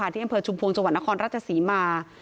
ที่อำเภอชุมพวงจนครรัชศรีมา